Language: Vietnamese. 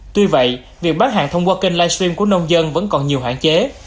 tuy vậy việc bán hàng thông qua kênh livestream của nông dân vẫn còn nhiều hạn chế